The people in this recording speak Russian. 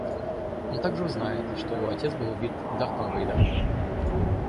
Он также узнает, что его отец был убит Дартом Вейдером